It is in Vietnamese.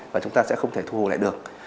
và chúng ta sẽ không thể thu hồi lại được